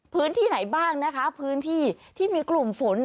พื้นที่ไหนบ้างนะคะพื้นที่ที่มีกลุ่มฝน